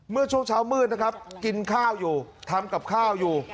เมื่อช่วงเช้ามืดนะครับกินข้าวอยู่ทำกับข้าวอยู่